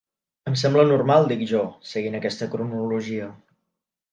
Em sembla normal, dic jo, seguint aquesta cronologia.